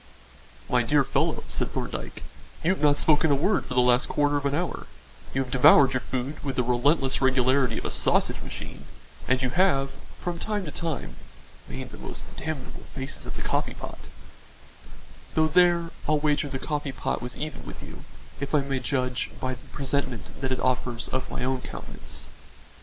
"My dear fellow," said Thorndyke, "you have not spoken a word for the last quarter of an hour; you have devoured your food with the relentless regularity of a sausage machine, and you have, from time to time, made the most damnable faces at the coffee pot though there I'll wager the coffee pot was even with you, if I may judge by the presentment that it offers of my own countenance."